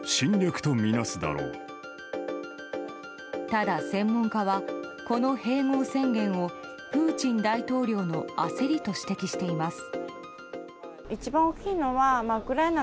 ただ、専門家はこの併合宣言をプーチン大統領の焦りと指摘しています。